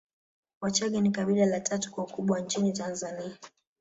Wachagga ni kabila la tatu kwa ukubwa nchini Tanzania